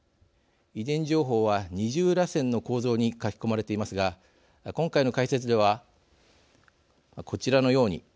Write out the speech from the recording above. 遺伝情報は二重らせんの構造に書き込まれていますが今回の解説ではこちらのように簡単に表現します。